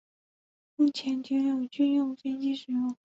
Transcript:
目前仅有军用飞机使用。